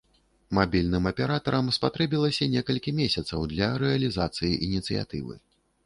Мабільным аператарам спатрэбілася некалькі месяцаў для рэалізацыі ініцыятывы.